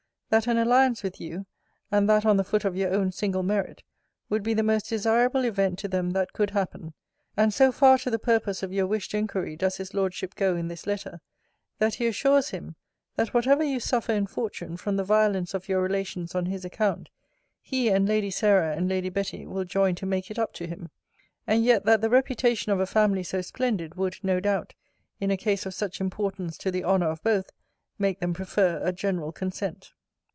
That an alliance with you, and that on the foot of your own single merit, would be the most desirable event to them that could happen: and so far to the purpose of your wished inquiry does his Lordship go in this letter, that he assures him, that whatever you suffer in fortune from the violence of your relations on his account, he and Lady Sarah and Lady Betty will join to make it up to him. And yet that the reputation of a family so splendid, would, no doubt, in a case of such importance to the honour of both, make them prefer a general consent.